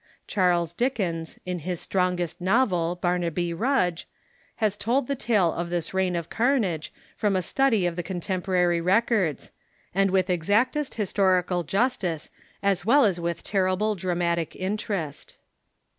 Charles Dickens, in his strongest novel, "Barnaby Rudge," has told the tale of this reiarn of carnage from a study of the contem poraiy records, and with exactest historical justice as well as with terrible dramatic interest.